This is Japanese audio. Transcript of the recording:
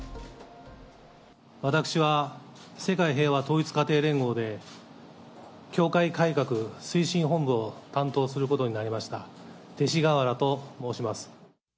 私は世界平和統一家庭連合で、教会改革推進本部を担当することとなりました、勅使河原と申します。